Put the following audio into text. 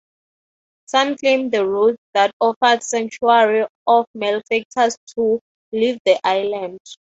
Some claim the routes that offered sanctuary to malefactors to leave the island.